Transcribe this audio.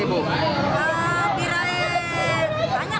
kira banyak lah seratus orang lah